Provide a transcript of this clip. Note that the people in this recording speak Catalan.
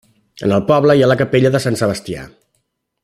En el poble hi ha la capella de Sant Sebastià.